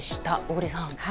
小栗さん。